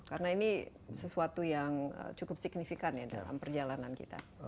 karena ini sesuatu yang cukup signifikan ya dalam perjalanan kita